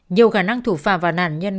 nhiều khả năng thủ phạm và nạn nhân